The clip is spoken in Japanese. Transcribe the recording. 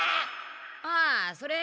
ああそれ